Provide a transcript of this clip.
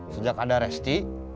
sejak ada resti